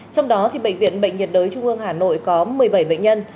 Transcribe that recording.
trong đó bệnh viện bệnh nhiệt đới trung ương hà nội có một mươi bảy bệnh nhân